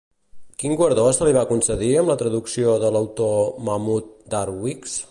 Quin guardó se li va concedir amb la traducció de l'autor Mahmud Darwix?